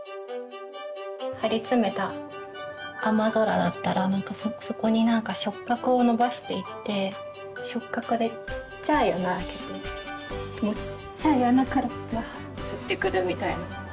張り詰めた雨空だったらそこに何か触角を伸ばしていって触角でちっちゃい穴あけてちっちゃい穴からザーッて降ってくるみたいな。